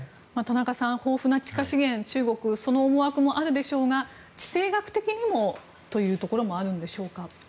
中国は豊富な地下資源その思惑もあるでしょうが地政学的にもというところもあるんでしょうか。